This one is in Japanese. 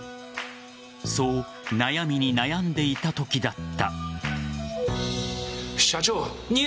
そう悩みに悩んでいたときだった。